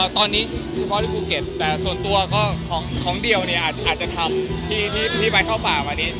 ตอนนี้เฉพาะที่ภูเก็ตแต่ส่วนตัวของเดียวอาจจะทำที่ไปเข้าป่าว